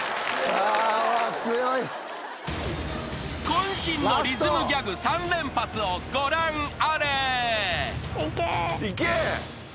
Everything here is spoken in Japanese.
［渾身のリズムギャグ３連発をご覧あれ］